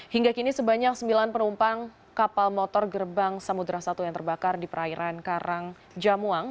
hingga kini sebanyak sembilan penumpang kapal motor gerbang samudera satu yang terbakar di perairan karangjamuang